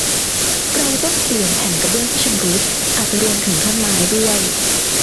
เราต้องเปลี่ยนแผ่นกระเบื้องที่ชำรุด อาจจะรวมถึงท่อนไม้ด้วย